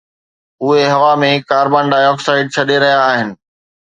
اهي هوا ۾ ڪاربان ڊاءِ آڪسائيڊ ڇڏي رهيا آهن